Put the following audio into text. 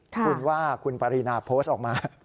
คุณว่าคุณปรินาโพสต์ออกมา